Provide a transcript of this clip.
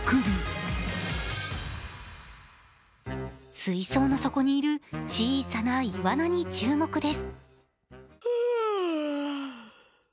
水槽の底にいる小さないわなに注目です。